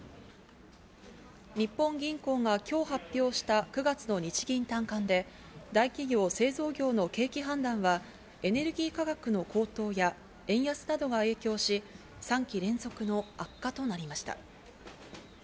日本銀行が今日発表した９月の日銀短観で大企業・製造業の景気判断はエネルギー価格の高騰や円安などが影響し、３期連続の悪化となりました。